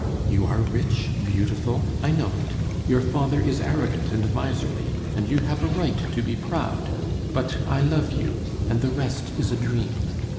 You are rich, beautiful. I know it. Your father is arrogant and miserly, and you have a right to be proud; but I love you, and the rest is a dream.